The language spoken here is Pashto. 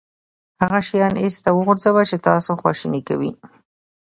هغه شیان ایسته وغورځوه چې تاسو خواشینی کوي.